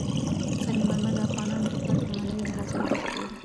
سنگ مرمر د افغانانو لپاره په معنوي لحاظ ارزښت لري.